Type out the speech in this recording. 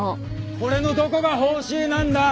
これのどこが報酬なんだ？